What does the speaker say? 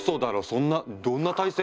そんなどんな体勢？